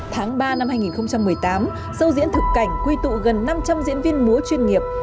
tháng ba năm hai nghìn một mươi tám sâu diễn thực cảnh quy tụ gần năm trăm linh diễn viên múa chuyên nghiệp